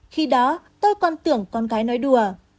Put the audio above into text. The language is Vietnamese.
khi đó tôi còn tưởng con gái nói đùa